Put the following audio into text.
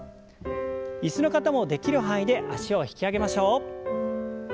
椅子の方もできる範囲で脚を引き上げましょう。